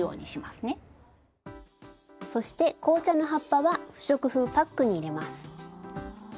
スタジオそして紅茶の葉っぱは不織布パックに入れます。